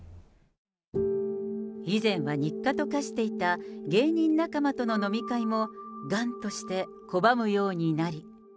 以前は日課と化していた芸人仲間との飲み会も、頑として拒むようになり。